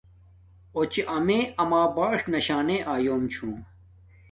اوچے باپو امیے باݽ ناشنے آلُیوم چھوم